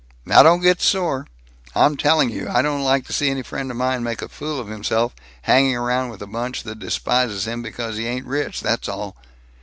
"Now don't get sore. I'm telling you. I don't like to see any friend of mine make a fool of himself hanging around with a bunch that despises him because he ain't rich, that's all.